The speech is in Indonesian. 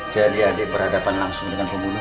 jadi adik berhadapan langsung dengan pembunuh